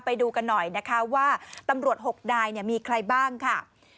ไปดูกันหน่อยนะคะว่าตำรวจ๖นายมีใครบ้างค่ะ